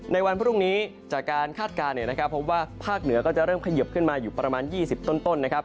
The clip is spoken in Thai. ในวันพรุ่งนี้จากการคาดการณ์พบว่าภาคเหนือก็จะเริ่มเขยิบขึ้นมาอยู่ประมาณ๒๐ต้นนะครับ